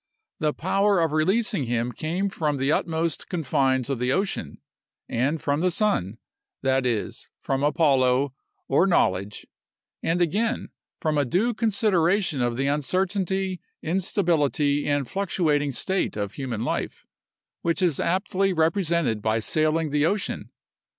The power of releasing him came from the utmost confines of the ocean, and from the sun; that is, from Apollo, or knowledge; and again, from a due consideration of the uncertainty, instability, and fluctuating state of human life, which is aptly represented by sailing the ocean.